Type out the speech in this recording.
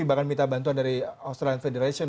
bahkan minta bantuan dari australian federation